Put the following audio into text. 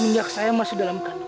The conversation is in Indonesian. minyak saya masih dalam kantong